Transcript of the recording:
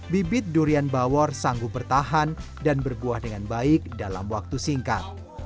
bibit durian bawor sanggup bertahan dan berbuah dengan baik dalam waktu singkat